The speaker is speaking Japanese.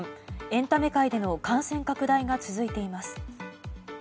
エンタメ界での感染拡大が続いています。